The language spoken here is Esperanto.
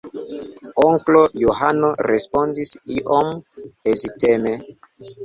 Onklo Johano respondis iom heziteme: